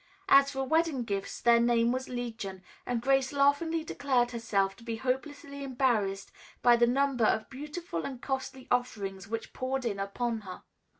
As for wedding gifts, their name was legion, and Grace laughingly declared herself to be hopelessly embarrassed by the number of beautiful and costly offerings which poured in upon her.